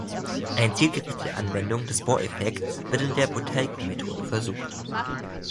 Eine zielgerichtete Anwendung des Bohr-Effekts wird in der Buteiko-Methode versucht.